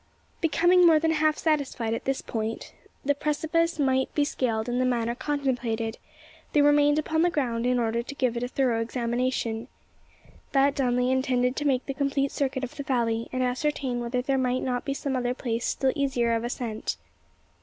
Becoming more than half satisfied that at this point the precipice might be scaled in the manner contemplated, they remained upon the ground in order to give it a thorough examination. That done, they intended to make the complete circuit of the valley, and ascertain whether there might not be some other place still easier of ascent.